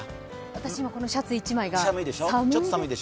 私もこのシャツ１枚が寒い。